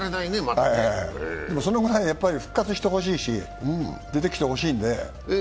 でも、そのぐらい復活してほしいし出てきてほしいので。